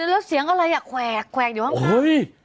แล้วเสียงอะไรอ่ะแขวกแขวกอยู่ข้างบนเฮ้ย